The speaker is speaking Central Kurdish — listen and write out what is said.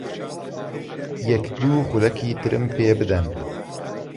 یەک دوو خولەکی ترم پێ بدەن.